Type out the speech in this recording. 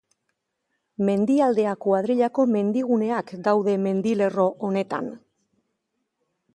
Mendialdea Kuadrillako mendiguneak daude mendilerro honetan.